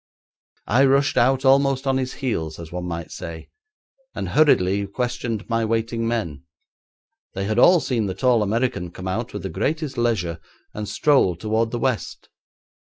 I rushed out almost on his heels, as one might say, and hurriedly questioned my waiting men. They had all seen the tall American come out with the greatest leisure and stroll towards the west.